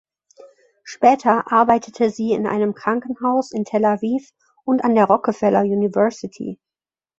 Später arbeitete sie in einem Krankenhaus in Tel Aviv und an der Rockefeller University.